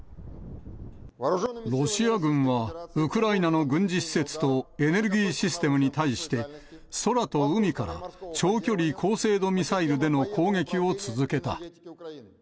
ロシア軍は、ウクライナの軍事施設とエネルギーシステムに対して、空と海から長距離高精度ミサイルでの攻撃を続けた。